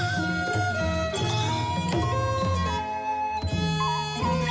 จริง